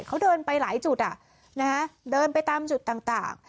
เขาเดินไปหลายจุดอ่ะนะฮะเดินไปตามจุดต่างต่าง